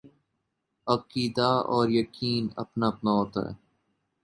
عقیدہ اور یقین اپنا اپنا ہوتا ہے۔